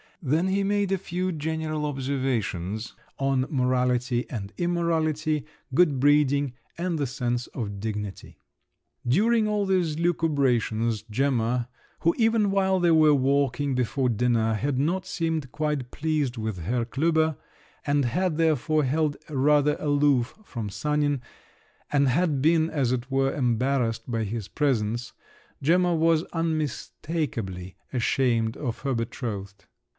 Then he made a few general observations on morality and immorality, good breeding, and the sense of dignity. During all these lucubrations, Gemma, who even while they were walking before dinner had not seemed quite pleased with Herr Klüber, and had therefore held rather aloof from Sanin, and had been, as it were, embarrassed by his presence—Gemma was unmistakably ashamed of her betrothed!